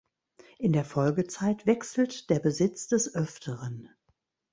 In der Folgezeit wechselt der Besitz des Öfteren.